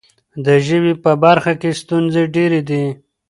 د ژبې په برخه کې ستونزې ډېرې دي.